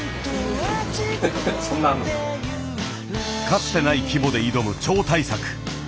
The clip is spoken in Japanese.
かつてない規模で挑む超大作。